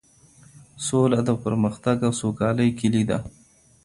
سوله د پرمختګ او سوکالۍ کيلي ده.